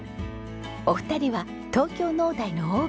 お二人は東京農大のＯＢ。